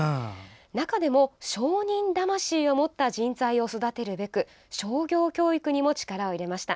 中でも、商人魂を持った人材を育てるべく商業教育にも力を入れました。